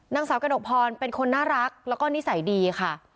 นางสาวกระหนกพรเป็นคนน่ารักแล้วก็นิสัยดีค่ะ